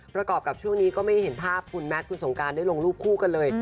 กับช่วงนี้ก็ไม่เห็นภาพคุณแมทคุณสงการได้ลงรูปคู่กันเลย